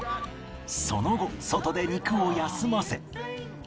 その後外で肉を休ませ